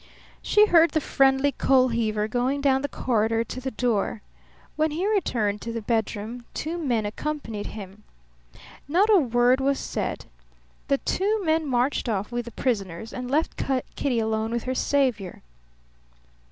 She heard the friendly coal heaver going down the corridor to the door. When he returned to the bedroom two men accompanied him. Not a word was said. The two men marched off with the prisoners and left Kitty alone with her saviour.